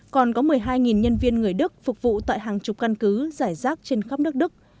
còn có một mươi hai nhân viên người đức phục vụ tại hàng chục căn cứ giải rác trên khắp nước đức